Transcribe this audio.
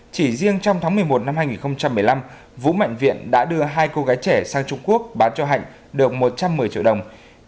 chỉ riêng trong tháng một mươi một năm hai nghìn một mươi năm vũ mạnh viện đã đưa hai cô gái trẻ sang trung quốc bán cho hạnh được một trăm một mươi triệu đồng